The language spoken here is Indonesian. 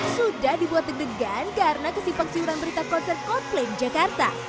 sudah dibuat deg degan karena kesimpang siuran berita konser coldplay jakarta